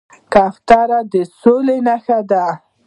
کوتره د سولې نښه ده